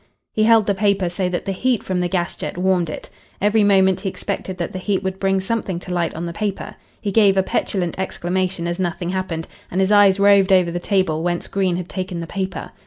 He held the paper so that the heat from the gas jet warmed it. Every moment he expected that the heat would bring something to light on the paper. He gave a petulant exclamation as nothing happened, and his eyes roved over the table whence Green had taken the paper.